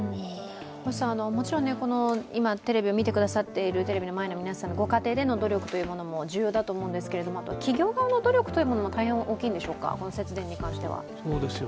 もちろん今、テレビを見てくださっているテレビの前の皆さん、ご家庭での努力というのも重要だと思うんですけど企業側の努力も大変大きいんでしょうか、節電に関しては。